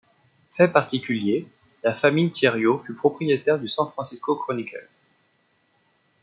Fait particulier, la famille Thieriot fut propriétaire du San Francisco Chronicle.